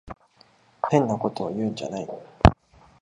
変なことを言うんじゃない。